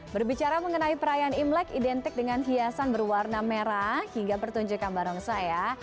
berbicara mengenai perayaan imlek identik dengan hiasan berwarna merah hingga pertunjukan barongsai ya